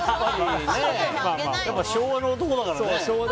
昭和の男だからね。